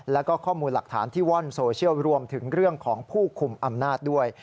แล้วก็ข้อมูลหลักฐานที่ว่อนโซเชียลรวมถึงเรื่องของผู้คุมอำนาจด้วย